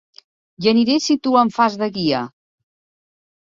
Hi aniré si tu em fas de guia.